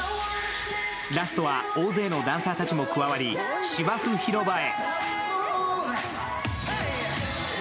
ラストは大勢のダンサーたちも加わり芝生広場へ。